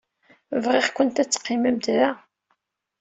Bɣiɣ-kent ad teqqimemt da.